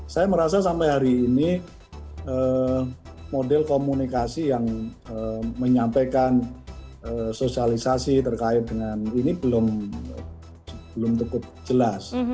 saya merasa sampai hari ini model komunikasi yang menyampaikan sosialisasi terkait dengan ini belum cukup jelas